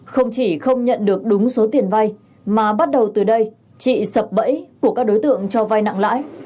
không chỉ không nhận được đúng số tiền vay mà bắt đầu từ đây chị sập bẫy của các đối tượng cho vai nặng lãi